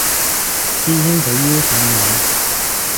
師兄佢邀請我